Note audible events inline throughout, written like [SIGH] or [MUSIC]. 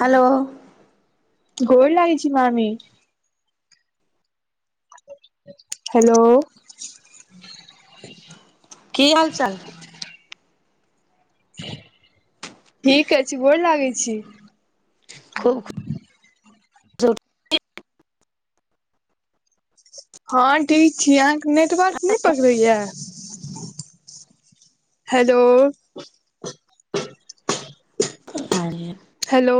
Hello गोर लागै छी मामी। हेलो। की हाल-चाल। ठीके छी, गोर लागै छी। खूब खु हां ठीक छी, अहाँ के नेटवर्क नै पकड़े या। हेलो। पता नै। हेलो।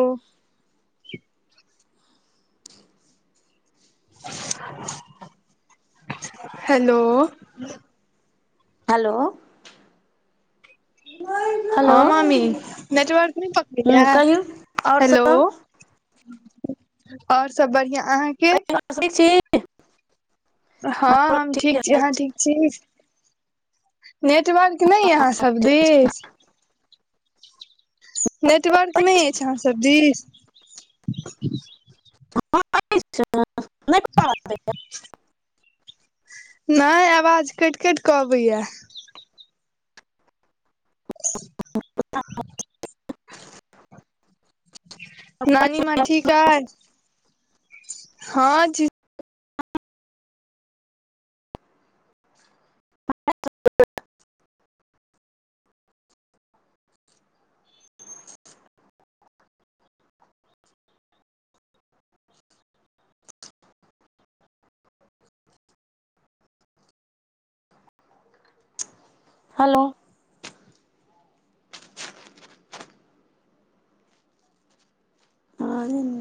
हेलो। हलो। [INAUDIBLE] हां मामी नेटवर्क नै पकड़े हूँ या कहियौ आओर सब हेलो। और सब बढ़ियां अहाँके कहियौ ठीक छी। हां हमरो हम ठीके ठीक छी, अहाँ अछि ठीक छी। नेटवर्क नै अय अहाँ सब दिस। नेटवर्क नै एछ अहाँ सब दिस। [UNINTELLIGIBLE] नै अवाज कैएट-कैएट क अबैया। [INAUDIBLE] नानी मां ठीक अय, हां ठी हलो आरे